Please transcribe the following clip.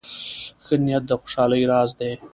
ښه نیت د خوشحالۍ راز دی.